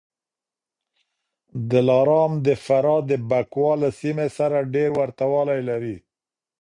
دلارام د فراه د بکواه له سیمې سره ډېر ورته والی لري